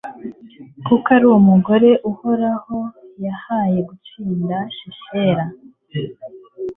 kuko ari umugore uhoraho yahaye gutsinda sisera